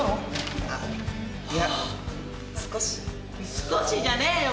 少しじゃねえよ